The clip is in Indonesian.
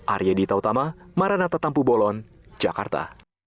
arya dita utama maranata tampu bolon jakarta